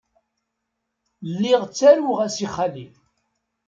Lliɣ ttaruɣ-as i xali.